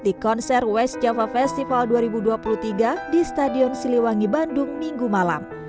di konser west java festival dua ribu dua puluh tiga di stadion siliwangi bandung minggu malam